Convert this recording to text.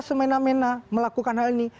semena mena melakukan hal ini